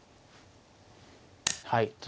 はい。